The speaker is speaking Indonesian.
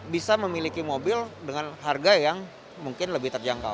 bisa memiliki mobil dengan harga yang mungkin lebih terjangkau